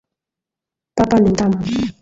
Papa ni mtamu.